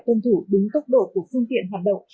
tuân thủ đúng tốc độ của phương tiện hoạt động